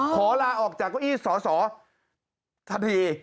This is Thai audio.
ขอลาออกจากเก้าอี้สอสอทันที